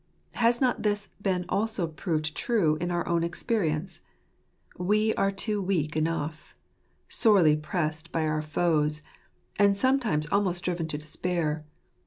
Has not this been also proved true in our own experience ? We too are weak enough, sorely pressed by our foes, and sometimes almost driven to despair.